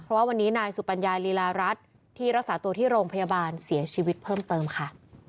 เพราะว่าวันนี้นายสุปัญญาลีลารัฐที่รักษาตัวที่โรงพยาบาลเสียชีวิตเพิ่มเติมค่ะ